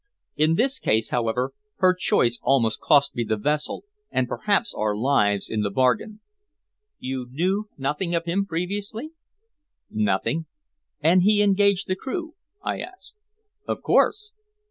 In this case, however, her choice almost cost me the vessel, and perhaps our lives into the bargain." "You knew nothing of him previously?" "Nothing." "And he engaged the crew?" I asked. "Of course."